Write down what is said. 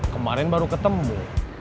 kemarin baru ketemu